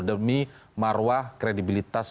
demi marwah kreativitas